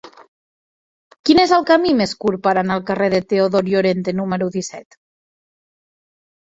Quin és el camí més curt per anar al carrer de Teodor Llorente número disset?